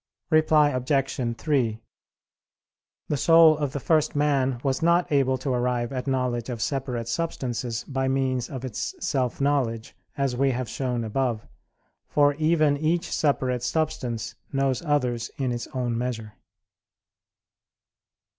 Reply Obj. 3: The soul of the first man was not able to arrive at knowledge of separate substances by means of its self knowledge, as we have shown above; for even each separate substance knows others in its own measure.